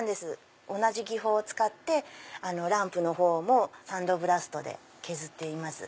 同じ技法を使ってランプの方もサンドブラストで削っています。